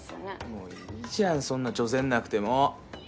もういいじゃんそんなチョゼんなくても。